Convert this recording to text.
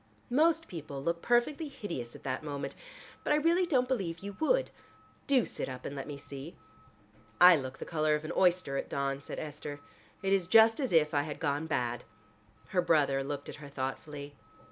Most people look perfectly hideous at that moment, but I really don't believe you would. Do sit up and let me see. "I look the color of an oyster at dawn," said Esther, "it is just as if I had gone bad." Her brother looked at her thoughtfully.